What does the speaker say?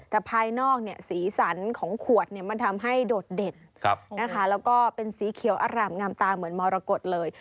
แต่ภายนอกสีสันของขวดมันทำให้โดดเด่นแล้วก็เป็นสีเขียวอร่ามงามตาเหมือนมรกฏเลย